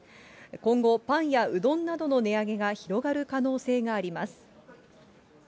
今後、パンやうどんなどの値上げが広がる可能性があります。